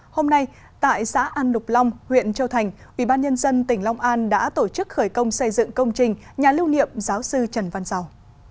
hôm nay tại xã an đục long huyện châu thành ubnd tỉnh long an đã tổ chức khởi công xây dựng công trình nhà lưu niệm giáo sư trần văn dầu